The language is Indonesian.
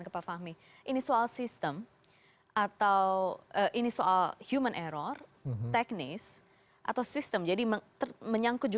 ke pak fahmi ini soal sistem atau ini soal human error teknis atau sistem jadi menyangkut